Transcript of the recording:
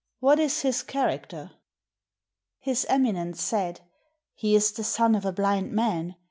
What is his character?" His Eminence said, "He is the son of a blind man.